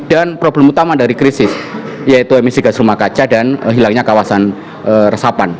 problem utama dari krisis yaitu emisi gas rumah kaca dan hilangnya kawasan resapan